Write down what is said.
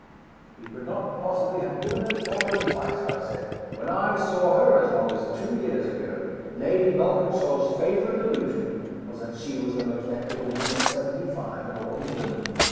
"You could not possibly have given her better advice," I said. "When I saw her, as long as two years ago, Lady Malkinshaw's favorite delusion was that she was the most active woman of seventy five in all England.